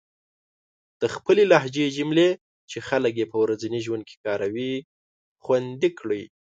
د خپلې لهجې جملې چې خلک يې په ورځني ژوند کې کاروي، خوندي کړئ.